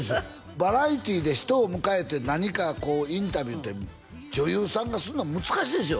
バラエティーで人を迎えて何かこうインタビューって女優さんがするのは難しいでしょ？